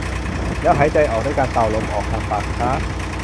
แล้วหายใจออกด้วยการเป่าลมออกทางปากช้า